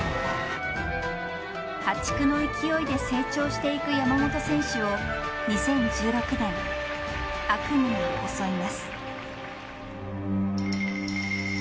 破竹の勢いで成長していく山本選手を２０１６年悪夢が襲います。